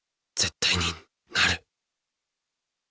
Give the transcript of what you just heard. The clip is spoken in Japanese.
俺は、絶対になる。